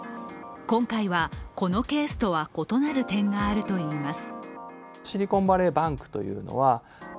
今回は、このケースとは異なる点があるといいます。